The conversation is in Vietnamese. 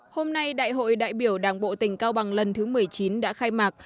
hôm nay đại hội đại biểu đảng bộ tỉnh cao bằng lần thứ một mươi chín đã khai mạc